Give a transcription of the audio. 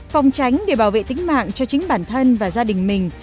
phòng tránh để bảo vệ tính mạng cho chính bản thân và gia đình mình